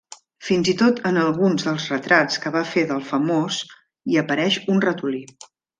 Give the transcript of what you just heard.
Fins i tot en alguns dels retrats que va fer del famós hi apareix un ratolí.